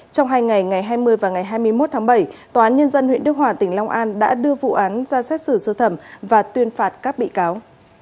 trong hai ngày ngày hai mươi và ngày hai mươi một tháng bảy tòa án nhân dân huyện đức hòa tỉnh long an đã đưa vụ án ra xét xử sơ thẩm và tuyên phạt các bị cáo